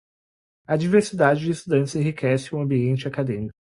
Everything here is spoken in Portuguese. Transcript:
A diversidade de estudantes enriquece o ambiente acadêmico.